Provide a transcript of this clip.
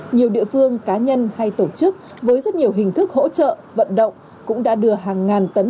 nhiều địa phương cá nhân hay tổ chức với rất nhiều hình thức hỗ trợ vận động cũng đã đưa hàng ngàn tấn